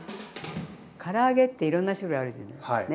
から揚げっていろんな種類あるじゃないね？